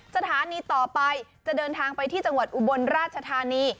สถานีต่อไปจะเดินทางไปที่จังหวัดอุบลราชธานี